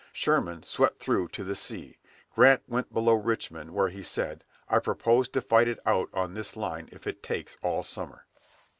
Sherman swept through to the sea. Grant went below Richmond, where he said, "I propose to fight it out on this line if it takes all summer."